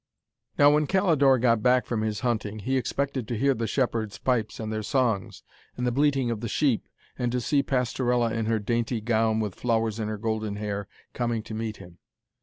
Now when Calidore got back from his hunting, he expected to hear the shepherds' pipes, and their songs, and the bleating of the sheep, and to see Pastorella in her dainty gown and with flowers in her golden hair coming to meet him.